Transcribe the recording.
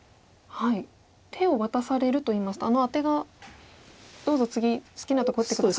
手を渡されるといいますとあのアテがどうぞ次好きなとこ打って下さいと。